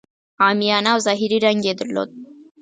عامیانه او ظاهري رنګ یې درلود.